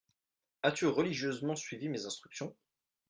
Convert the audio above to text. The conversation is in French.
As-tu religieusement suivi mes instructions ?